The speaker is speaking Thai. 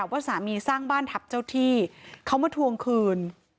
ว่าสามีสร้างบ้านทัพเจ้าที่เขามาทวงคืน